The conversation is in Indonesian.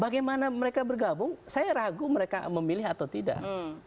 bagaimana mereka bergabung saya ragu mereka memilih atau tidak